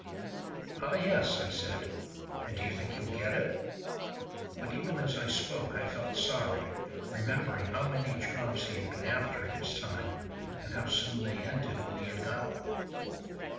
"Ah, yes," I said, "and do you think you'll get it?" But even as I spoke I felt sorry, remembering how many jobs he had been after in his time, and how soon they ended when he had got them.